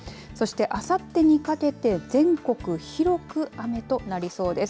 あさってにかけて全国広く雨となりそうです。